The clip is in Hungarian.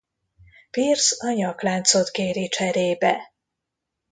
Pierce a nyakláncot kéri cserébe.